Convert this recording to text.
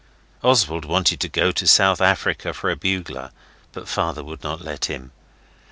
Oswald wanted to go to South Africa for a bugler, but father would not let him.